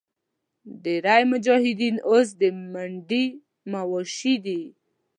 ډېری مجاهدین اوس د منډیي مواشي دي.